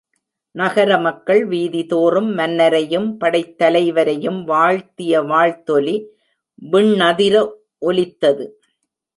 நகர மக்கள் வீதிதோறும் மன்னரையும் படைத் தலைவரையும் வாழ்த்திய வாழ்த்தொலி விண்ணதிர ஒலித்தது.